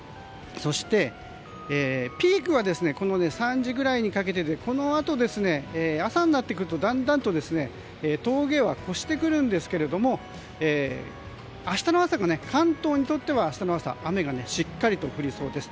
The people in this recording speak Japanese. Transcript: そして、ピークは３時ぐらいにかけてでこのあと、朝になってくるとだんだんと峠は越してくるんですけど関東にとっては明日の朝雨がしっかり降りそうです。